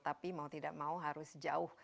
tapi mau tidak mau harus jauh lebih kreatif